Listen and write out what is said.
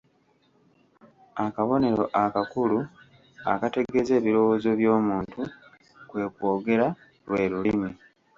Akabonero akakulu akategeeza ebirowozo by'omuntu; kwe kwogera, lwe lulimi.